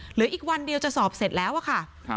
เหลืออีกวันเดียวจะสอบเสร็จแล้วอะค่ะ